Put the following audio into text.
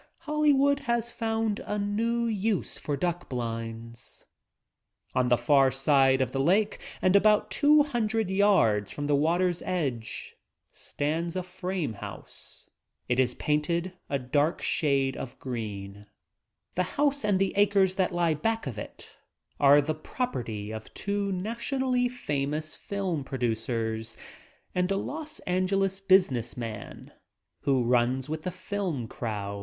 Hollywood has found a new use for duck blinds — On the far side of the lake and about two :■..■ red yards from the water's edge stands a frame house. It is painted 3^ dark shade of green. The house and the acres that lie back of it are the property of two nationally famous film produc ers and a Los Angeles business man who runs with the film crowd.